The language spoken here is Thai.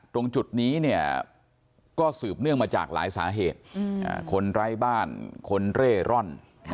ตรงจุดนี้เนี่ยก็สืบเนื่องมาจากหลายสาเหตุคนไร้บ้านคนเร่ร่อน